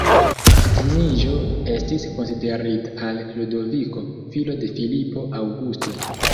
Edziniĝo estis konsiderita al Ludoviko, filo de Filipo Aŭgusto.